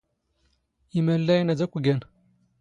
ⵉⵎⴰⵍⵍⴰⵢⵏ ⴰⴷ ⴰⴽⴽⵯ ⴳⴰⵏ.